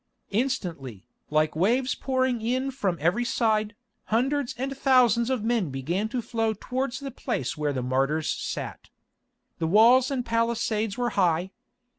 Instantly, like waves pouring in from every side, hundreds and thousands of men began to flow towards that place where the martyrs sat. The walls and palisades were high.